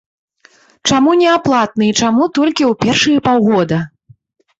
Чаму неаплатны і чаму толькі ў першыя паўгода?